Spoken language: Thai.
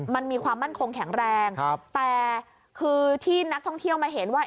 มันมีความมั่นคงแข็งแรงแต่คือที่นักท่องเที่ยวมาเห็นว่า